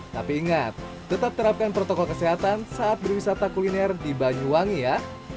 tapi ingat tetap terapkan protokol kesehatan saat berwisata kuliner di banyuwangi ya